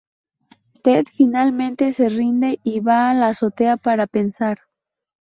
Ted finalmente se rinde y va a la azotea para pensar.